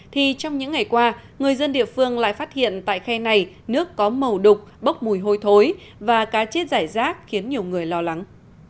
thì trong những ngày qua người dân địa phương lại phát hiện tại khe này nước có màu đục bốc mùi hôi thối và cá chết giải rác khiến nhiều người lo lắng